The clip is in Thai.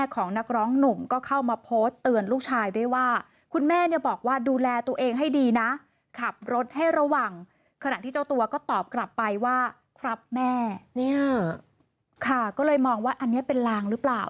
ก็เลยมองว่าอันนี้เป็นลางหรือเปล่า